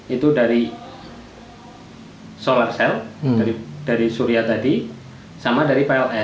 itu dari solar cell dari surya tadi sama dari pln